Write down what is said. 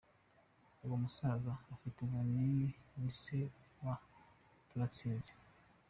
Uwo musaza ufite inkoni ni se wa Turatsinze